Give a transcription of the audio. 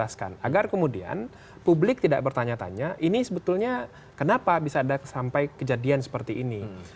agar kemudian publik tidak bertanya tanya ini sebetulnya kenapa bisa ada sampai kejadian seperti ini